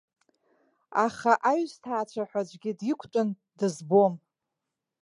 Аха аҩсҭаацәа ҳәа аӡәгьы диқәтәан дызбом.